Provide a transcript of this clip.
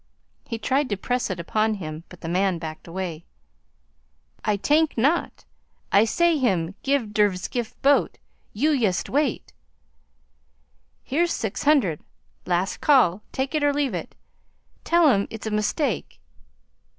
He tried to press it upon him, but the man backed away. "Ay tank not. Ay say him get der skiff boat. You yust wait " 'Here's six hundred. Last call. Take it or leave it. Tell 'm it's a mistake.'